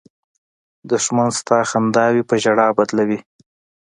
دښمن ستا خنداوې په ژړا بدلوي